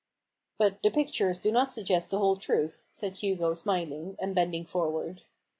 " But the pictures do not suggest the whole truth," said Hugo smiling, and bending forward.